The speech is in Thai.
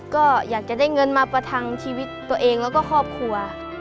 ก็อยากจะได้เงินมาประทังชีวิตตัวเองแล้วก็ครอบครัว